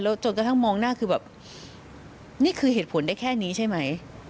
จนกระทั่งมองหน้าคือแบบนี่คือเหตุผลได้แค่นี้ใช่ไหม